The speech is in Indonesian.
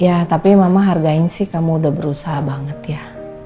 ya tapi memang hargain sih kamu udah berusaha banget ya